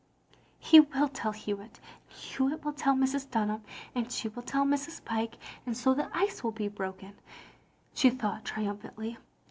"He will tell Hewitt, and Hewitt will tell Mrs. Dunham, and she will tell Mrs. Pyke, and so the ice will be broken," she thought, trium phantly.